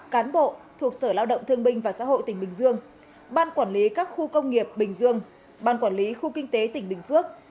cán bộ thuộc sở lao động thương binh và xã hội tỉnh bình dương ban quản lý các khu công nghiệp bình dương ban quản lý khu kinh tế tỉnh bình phước